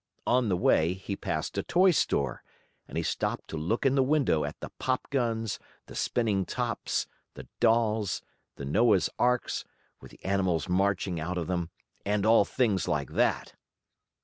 On the way, he passed a toy store, and he stopped to look in the window at the pop guns, the spinning tops, the dolls, the Noah's Arks, with the animals marching out of them, and all things like that.